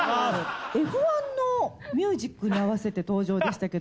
Ｆ１のミュージックに合わせて登場でしたけど。